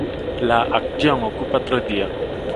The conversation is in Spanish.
La acción ocupa tres días.